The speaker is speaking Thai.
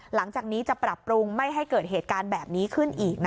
หลังจากนี้จะปรับปรุงไม่ให้เกิดเหตุการณ์แบบนี้ขึ้นอีก